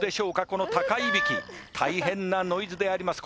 この高いびき大変なノイズであります